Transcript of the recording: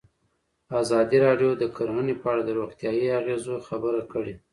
ازادي راډیو د کرهنه په اړه د روغتیایي اغېزو خبره کړې.